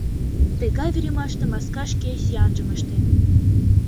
Тыгай времаште маска шке сӱанжым ыштен...